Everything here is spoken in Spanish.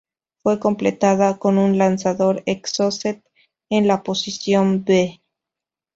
Fue completada con un lanzador Exocet en la posición 'B'.